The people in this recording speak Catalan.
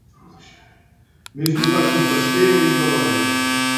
Més bufat que un fester la nit de l'olla.